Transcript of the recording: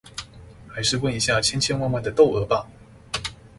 還是問一下千千萬萬的竇娥吧